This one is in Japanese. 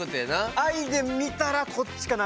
愛で見たらこっちかな？